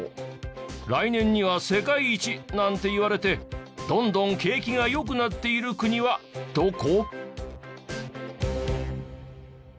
来年には世界一なんて言われてどんどん景気が良くなっている国はどこ？